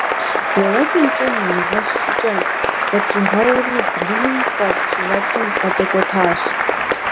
Уэрэдыр и кӀэм нимыгъэс щӀыкӀэ зэпигъэури, блыным фӀэлъ сурэтым бгъэдэкӀуэтащ.